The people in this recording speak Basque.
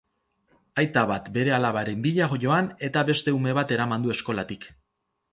Aita bat bere alabaren bila joan eta beste ume bat eraman du eskolatik.